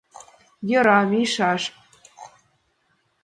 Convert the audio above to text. Йӧра, мийышаш.